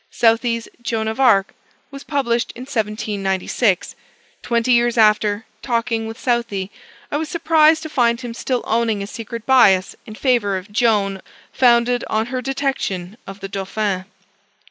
Southey's "Joan of Arc" was published in 1796. Twenty years after, talking with Southey, I was surprised to find him still owning a secret bias in favor of Joan, founded on her detection of the Dauphin.